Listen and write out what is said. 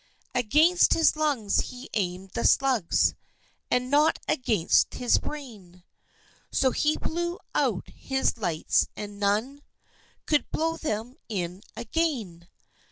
Against his lungs he aimed the slugs, And not against his brain, So he blew out his lights and none Could blow them in again!